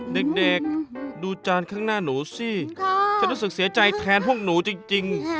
เด็กดูจานข้างหน้าหนูสิฉันรู้สึกเสียใจแทนพวกหนูจริง